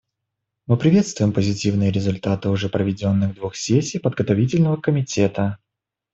Мы приветствуем позитивные результаты уже проведенных двух сессий Подготовительного комитета.